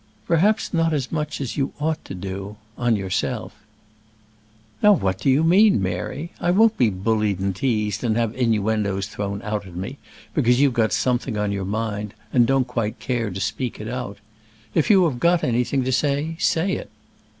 "Perhaps not as much as you ought to do on yourself." "Now, what do you mean, Mary? I won't be bullied and teased, and have innuendos thrown out at me, because you've got something on your mind, and don't quite dare to speak it out. If you have got anything to say, say it."